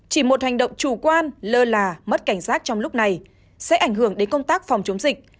chỉ một hành động chủ quan lơ là mất cảnh giác trong lúc này sẽ ảnh hưởng đến công tác phòng chống dịch